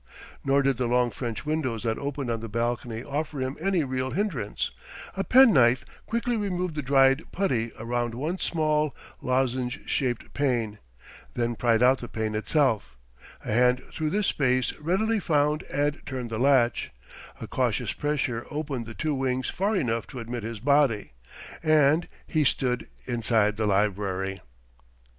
Nor did the long French windows that opened on the balcony offer him any real hindrance: a penknife quickly removed the dried putty round one small, lozenge shaped pane, then pried out the pane itself; a hand through this space readily found and turned the latch; a cautious pressure opened the two wings far enough to admit his body; and he stood inside the library.